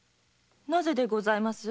なぜでございます？